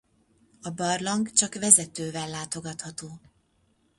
A barlang csak vezetővel látogatható.